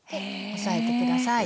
押さえて下さい。